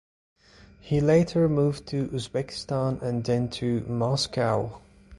He later moved to Uzbekistan and then to Moscow.